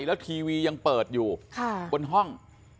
แล้วทีวียังเปิดอยู่บนห้อง